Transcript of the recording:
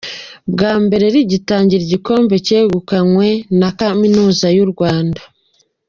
Bwa mbere rigitangira igikombe cyegukanywe na kaminuza y’u Rwanda.